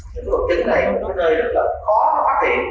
cái bậc chứng này là một nơi rất là khó phát hiện